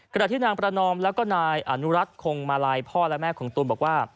ขณะที่นางประนอมแล้วก็นายอนุรัติคงมาลัยพ่อและแม่ของตูนบอกว่า